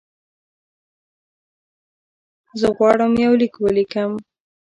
زه غواړم یو لیک ولیکم.